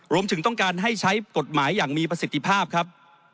รวมถึงต้องการให้ใช้กฎหมายอย่างมีประสิทธิภาพครับ